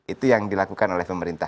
itu yang dilakukan oleh pemerintah